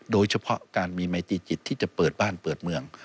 โดยเฉพาะการมีไมตีจิตที่จะเปิดบ้านเปิดเมือง